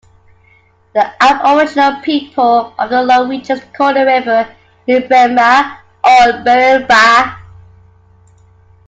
The Aboriginal people of the lower reaches call the river "Breimba" or "Berrinbah".